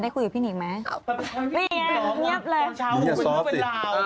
นี่นี่ยังยับเลย